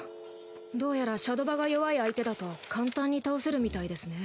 どうやらシャドバが弱い相手だと簡単に倒せるみたいですね。